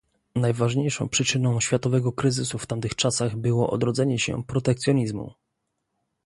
Najważniejszą przyczyną światowego kryzysu w tamtych czasach było odrodzenie się protekcjonizmu